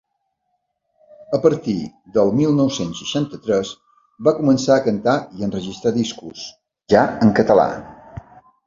A partir del mil nou-cents seixanta-tres va començar a cantar i enregistrar discos, ja en català.